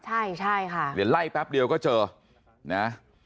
ใช่ใช่ค่ะเดี๋ยวไล่แป๊บเดียวก็เจอนะ